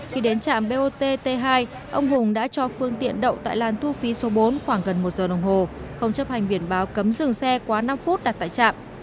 khi đến trạm bot t hai ông hùng đã cho phương tiện đậu tại làn thu phí số bốn khoảng gần một giờ đồng hồ không chấp hành biển báo cấm dừng xe quá năm phút đặt tại trạm